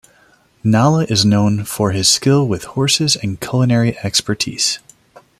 Nala is known for his skill with horses and culinary expertise.